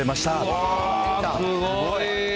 すごい。